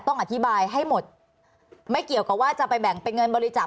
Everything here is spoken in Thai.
ต้องอธิบายให้หมดไม่เกี่ยวกับว่าจะไปแบ่งเป็นเงินบริจาค